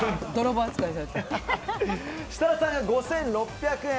設楽さんが５６００円。